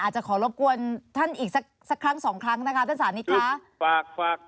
จะขอรบกวนท่านอีกสักครั้งสองครั้งนะคะท่านสานิทค่ะ